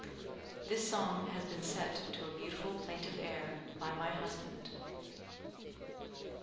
[This song has been set to a beautiful plaintive air, by my husband.